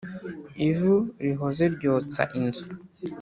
Ivu rihoze ryotsa inzu.